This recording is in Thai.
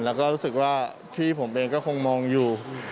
แล้วก็รู้สึกว่าพี่ผมเองก็คงมองอยู่